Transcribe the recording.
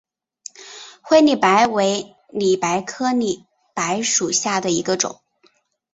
灰里白为里白科里白属下的一个种。